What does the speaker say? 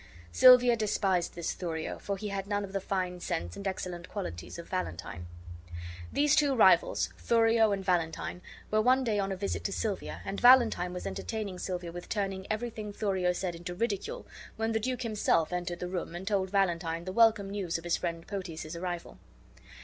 Silvia despised this Thurio, for he had none of the fine sense and excellent qualities of Valentine. These two rivals, Thurio and Valentine, were one day on a visit to Silvia, and Valentine was entertaining Silvia with turning everything Thurio said into ridicule, when the duke himself entered the room and told Valentine the welcome news of his friend Proteus's arrival.